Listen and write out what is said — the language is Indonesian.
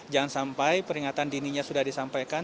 jangan sampai peringatan dininya sudah disampaikan